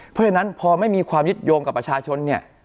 เพราะฉะนั้นพอไม่มีความยึดโยงกับประชาชนเนี่ย